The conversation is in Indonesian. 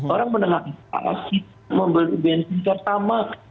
orang menengahkan alasi membeli bensin tertama